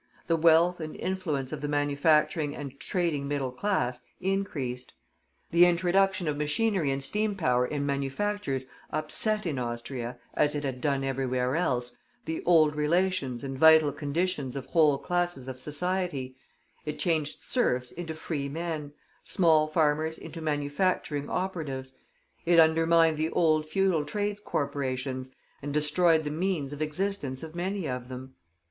The wealth and influence of the manufacturing and trading middle class increased. The introduction of machinery and steam power in manufactures upset in Austria, as it had done everywhere else, the old relations and vital conditions of whole classes of society; it changed serfs into free men, small farmers into manufacturing operatives; it undermined the old feudal trades corporations, and destroyed the means of existence of many of them.